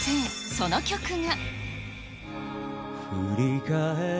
その曲が。